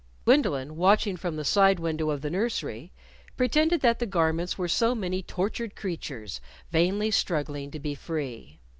Gwendolyn, watching from the side window of the nursery, pretended that the garments were so many tortured creatures, vainly struggling to be free.